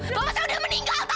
bapak saya udah meninggal tahu